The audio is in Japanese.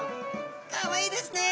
かわいいですね。